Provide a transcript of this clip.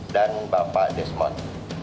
dan bapak desmond